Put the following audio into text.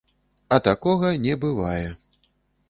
А такога не бывае.